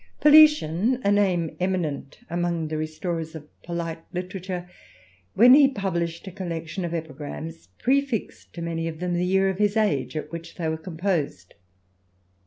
"POLITIAN, a name eminent among the restorers of ■■ polite literature, when he published a collection of epigrams, prefixed to many of them the year of his age at which they were composed.